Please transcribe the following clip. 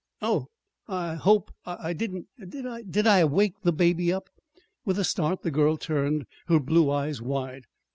"Oh, I hope I didn't, did I? Did I wake the baby up?" With a start the girl turned, her blue eyes wide.